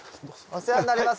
お世話になります。